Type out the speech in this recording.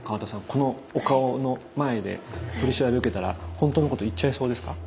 このお顔の前で取り調べを受けたら本当のこと言っちゃいそうですか？